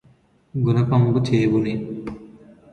గునపంబు చేబూని